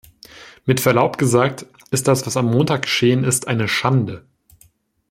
Mit Verlaub gesagt, ist das, was am Montag geschehen ist, eine Schande.